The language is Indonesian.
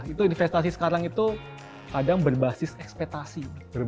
itu investasi sekarang itu kadang berbasis ekspetasi